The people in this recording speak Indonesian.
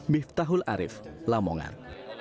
miftahul arif lamongan